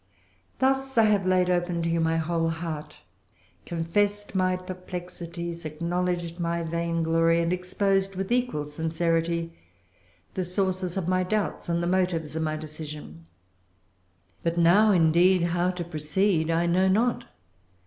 Thus have I laid open to you my whole heart, confessed my perplexities, acknowledged my vainglory, and exposed with equal sincerity the sources of my doubts and the motives of my decision. But now, indeed, how to proceed I know not.